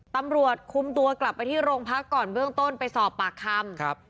ตำรวจคุมตัวกลับไปที่โรงพักก่อนเบื้องต้นไปสอบปากคำครับ